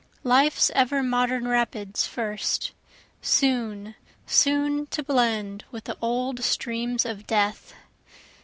Life's ever modern rapids first, (soon, soon to blend, With the old streams of death.)